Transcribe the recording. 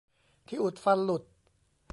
ที่อุดฟันหลุด ! :'